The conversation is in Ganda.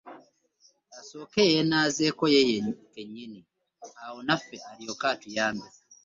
Asooke yeenaazeeko ye kennyini awo naffe alyoke atuyambe